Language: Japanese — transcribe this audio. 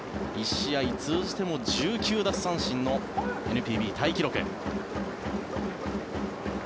１試合通じても１９奪三振のＮＰＢタイ記録。